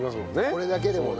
これだけでもね。